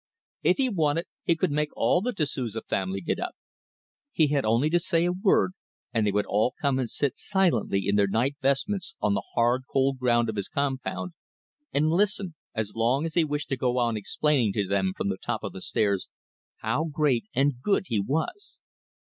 If he wanted he could make all the Da Souza family get up. He had only to say a word and they would all come and sit silently in their night vestments on the hard, cold ground of his compound and listen, as long as he wished to go on explaining to them from the top of the stairs, how great and good he was.